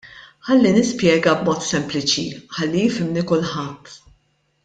Ħalli nispjega b'mod sempliċi ħalli jifhimni kulħadd.